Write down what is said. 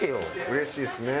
うれしいですね。